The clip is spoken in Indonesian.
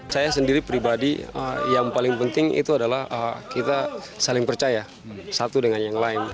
saya sendiri pribadi yang paling penting itu adalah kita saling percaya satu dengan yang lain